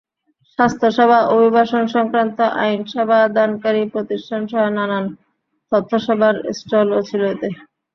স্বাস্থ্যসেবা, অভিবাসন সংক্রান্ত আইন সেবাদানকারী প্রতিষ্ঠানসহ নানান তথ্যসেবার স্টলও ছিল এতে।